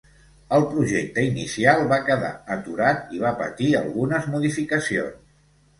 El projecte inicial va quedar aturat i va patir algunes modificacions.